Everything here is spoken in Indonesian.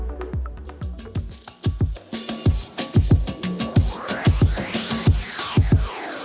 tunggu sebentar ya